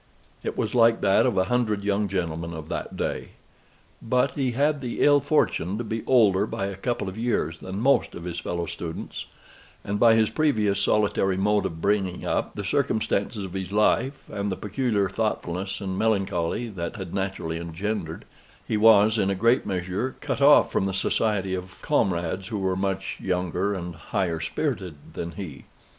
It was like that of a hundred young gentlemen of that day. But he had the ill fortune to be older by a couple of years than most of his fellow students; and by his previous solitary mode of bringing up, the circumstances of his life, and the peculiar thoughtfulness and melancholy that had naturally engendered, he was, in a great measure, cut off from the society of comrades who were much younger and higher spirited than he.